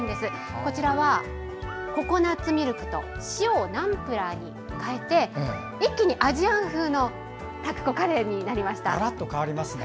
こちらは、ココナツミルクと塩をナンプラーに変えて一気にアジアン風のタクコカレーになりました。